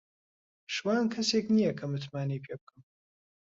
شوان کەسێک نییە کە متمانەی پێ بکەم.